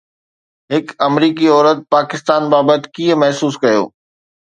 هڪ آمريڪي عورت پاڪستان بابت ڪيئن محسوس ڪيو؟